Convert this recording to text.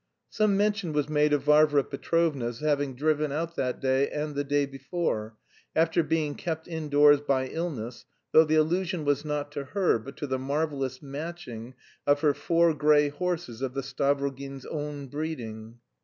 Some mention was made of Varvara Petrovna's having driven out that day and the day before, after being kept indoors "by illness," though the allusion was not to her, but to the marvellous matching of her four grey horses of the Stavrogins' own breeding.